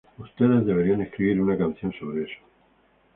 Ustedes deberían escribir una canción sobre eso".